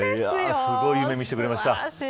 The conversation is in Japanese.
すごい夢を見せてくれました。